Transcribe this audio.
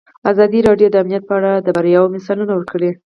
ازادي راډیو د امنیت په اړه د بریاوو مثالونه ورکړي.